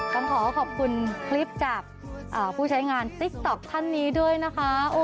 ต้องขอขอบคุณคลิปจากผู้ใช้งานติ๊กต๊อกท่านนี้ด้วยนะคะ